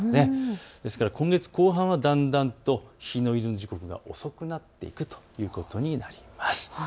ですから今月後半はだんだんと日の入りの時刻は遅くなっていくということになります。